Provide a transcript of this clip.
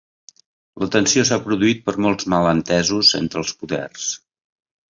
La tensió s'ha produït per molts malentesos entre els poders